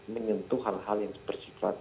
menyentuh hal hal yang bersifat